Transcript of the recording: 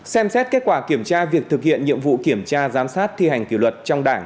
xem xét kết quả kiểm tra việc thực hiện nhiệm vụ kiểm tra giám sát thi hành kỷ luật trong đảng